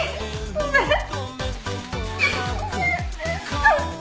ごめんね。